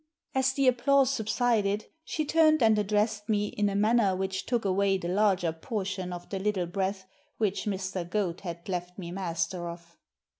As the applause subsided she turned and addressed me in a manner which took away the larger portion of the little breath which Mr. Goad had left me master of.